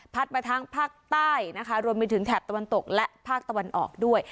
มาทั้งภาคใต้นะคะรวมไปถึงแถบตะวันตกและภาคตะวันออกด้วย